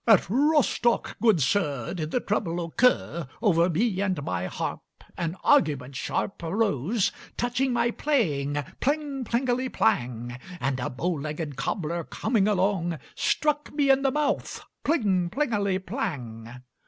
"At Rostock, good sir, Did the trouble occur. Over me and my harp An argument sharp Arose, touching my playing pling plingeli plang; And a bow legged cobbler coming along Struck me in the mouth pling plingeli plang.